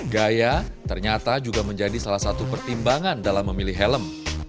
gaya ternyata juga menjadi salah satu pertimbangan dalam memilih helm